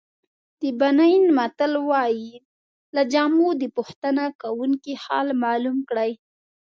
د بنین متل وایي له جامو د پوښتنه کوونکي حال معلوم کړئ.